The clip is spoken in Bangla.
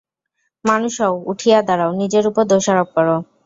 মানুষ হও, উঠিয়া দাঁড়াও, নিজের উপর দোষারোপ কর।